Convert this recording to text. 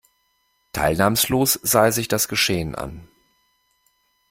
Teilnahmslos sah er sich das Geschehen an.